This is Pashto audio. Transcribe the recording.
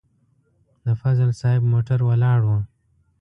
د فضل صاحب موټر ولاړ و.